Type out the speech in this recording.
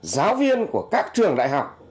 giáo viên của các trường đại học